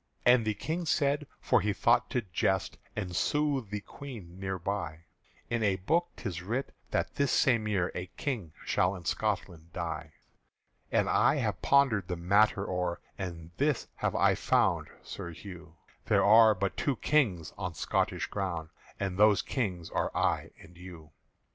And the King said (for he thought to jest And soothe the Queen thereby), "In a book 'tis writ that this same year A King shall in Scotland die. "And I have pondered the matter o'er, And this have I found, Sir Hugh, There are but two Kings on Scotish ground, And those Kings are I and you.